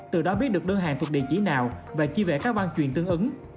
từ đó biết được đơn hàng thuộc địa chỉ nào và chi vẽ các văn chuyển tương ứng